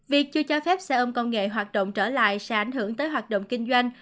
việc chưa cho phép xe ôm công nghệ hoạt động trở lại sẽ ảnh hưởng tới hoạt động kinh doanh